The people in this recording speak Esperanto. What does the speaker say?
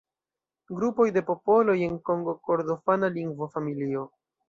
Grupo de popoloj en Kongo-Kordofana lingvofamilio.